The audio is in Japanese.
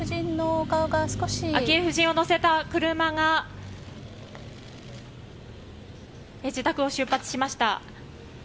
昭恵夫人を乗せた車が自宅を出発しました。